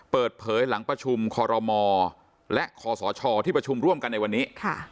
เปิดเผยหลังประชุมคอรมอและคอสชที่ประชุมร่วมกันในวันนี้